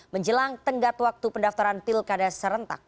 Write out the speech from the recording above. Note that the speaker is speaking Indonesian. menjelang tenggat waktu pendaftaran pilkada serentak